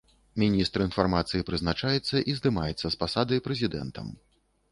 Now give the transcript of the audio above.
Міністр інфармацыі прызначаецца і здымаецца з пасады прэзідэнтам.